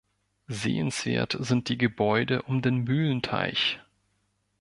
Sehenswert sind die Gebäude um den Mühlenteich.